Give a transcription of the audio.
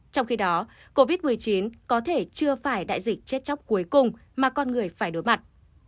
trong khi đó covid một mươi chín có thể chưa phải đại dịch chết chóc cuối cùng mà con người phải đối mặt